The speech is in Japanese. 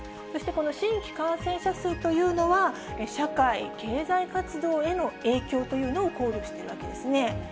そしてこの新規感染者数というのは、社会経済活動への影響というのを考慮しているわけですね。